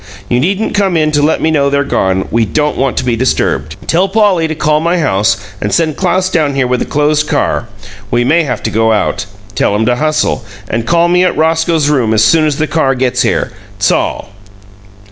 You needn't come in to let me know they're gone; we don't want to be disturbed. Tell Pauly to call my house and send Claus down here with a closed car. We may have to go out. Tell him to hustle, and call me at Roscoe's room as soon as the car gets here. 'T's all!"